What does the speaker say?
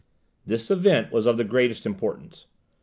This event was of the greatest importance.